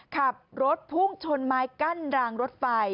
ขับรถพุ่งชนไม้กั้นรางรถไฟ